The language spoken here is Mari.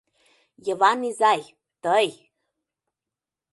Йыван изай, тый!..